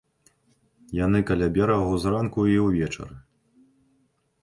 Яны каля берагу зранку і ўвечары.